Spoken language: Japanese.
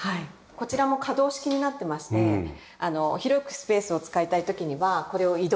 こちらも可動式になってまして広くスペースを使いたい時にはこれを移動して。